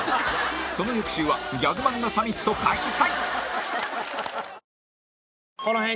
その翌週はギャグ漫画サミット開催！